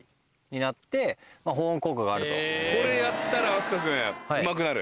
これやったら阿須加君うまくなる？